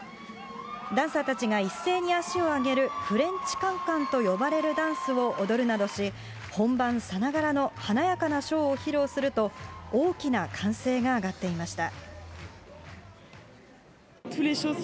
ダンサーたちが一斉に足を上げるフレンチカンカンと呼ばれるダンスを踊るなどし、本番さながらの華やかなショーを披露すると、大きな歓声が上がっていました。